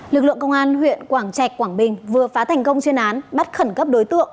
lực lượng công an huyện quảng trạch quảng bình vừa phá thành công chuyên án bắt khẩn cấp đối tượng